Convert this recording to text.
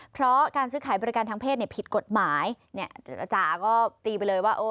เพราะการซื้อขายบริการทางเพศเนี่ยผิดกฎหมายเนี่ยอาจารย์ก็ตีไปเลยว่าเออ